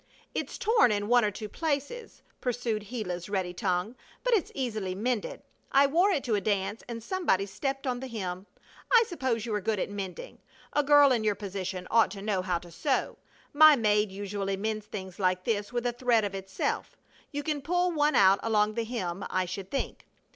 "It's torn in one or two places," pursued Gila's ready tongue, "but it's easily mended. I wore it to a dance and somebody stepped on the hem. I suppose you are good at mending. A girl in your position ought to know how to sew. My maid usually mends things like this with a thread of itself. You can pull one out along the hem, I should think.